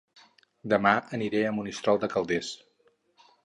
Dema aniré a Monistrol de Calders